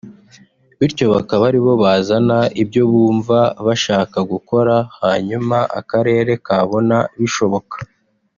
bityo bakaba ari bo bazana ibyo bumva bashaka gukora hanyuma akarere kabona bishoboka